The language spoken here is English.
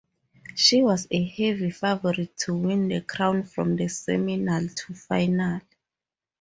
She was a heavy favorite to win the crown from the semifinal to final.